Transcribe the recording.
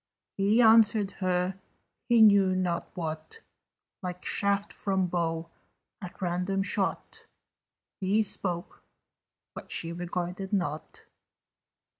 He answered her he knew not what: Like shaft from bow at random shot, He spoke, but she regarded not.